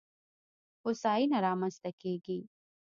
هوساینه رامنځته کېږي.